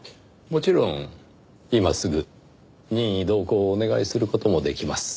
もちろん今すぐ任意同行をお願いする事もできます。